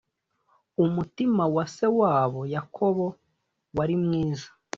umutima wa se wabo yakobo warimwiza